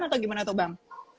atau gimana tuh bang